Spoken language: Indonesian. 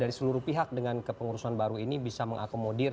dari seluruh pihak dengan kepengurusan baru ini bisa mengakomodir